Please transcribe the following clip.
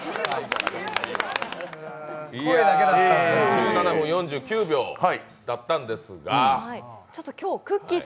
１７分４９秒だったんですがくっきー！